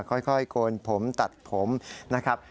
ค่อยโกนผมตัดผมนะครับ